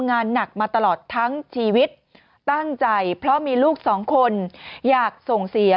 งานหนักมาตลอดทั้งชีวิตตั้งใจเพราะมีลูกสองคนอยากส่งเสีย